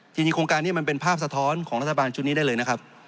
จริงโครงการนี้มันเป็นภาพสะท้อนของรัฐบาลชุดนี้ได้เลยนะครับ